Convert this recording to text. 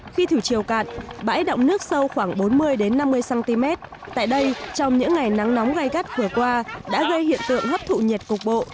khi thử chiều cạn bãi động nước sâu khoảng bốn mươi năm mươi cm tại đây trong những ngày nắng nóng gây cắt khửa qua đã gây hiện tượng hấp thụ nhiệt cục bộ